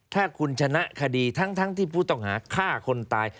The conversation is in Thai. ถ้าคุณชนะคดีทั้งที่ผู้ต้องหาฆ่าคนตาย